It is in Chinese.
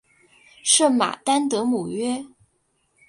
圣马丹德姆约。